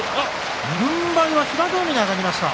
軍配は平戸海に上がりました。